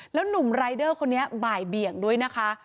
แล้วหนุ่มรายเดอร์คนนี้บ่ายเบี่ยงด้วยนะคะ